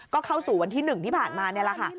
ก็เข้าสู่วันที่๑ที่ผ่านมานี่แหละค่ะ